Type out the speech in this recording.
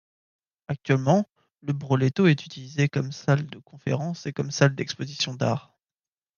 Actuellement, le Broletto est utilisé comme salle de conférences et comme salle d'expositions d'art.